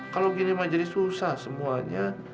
kalau gini mah jadi susah semuanya